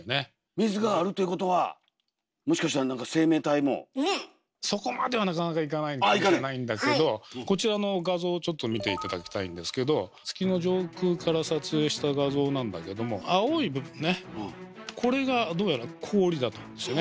水があるということはそこまではなかなかいかないかもしれないんだけどこちらの画像をちょっと見て頂きたいんですけど月の上空から撮影した画像なんだけども青い部分ねこれがどうやら氷だとするね。